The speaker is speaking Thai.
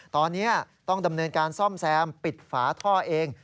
ตอนนี้ต้องดำเนินการซ่อมแซมปิดฝาท่อเอง